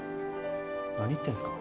なに言ってんすか？